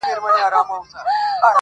قناعت د داخلي آرامۍ سرچینه ده.